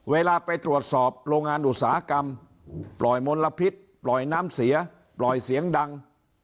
เวลาไปตรวจสอบโรงงานอุตสาหกรรมปล่อยมลพิษปล่อยน้ำเสียปล่อยเสียงดัง